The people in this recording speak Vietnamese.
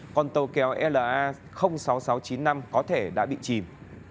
còn tàu kéo la sáu nghìn sáu trăm chín mươi năm có thể đã bị chìm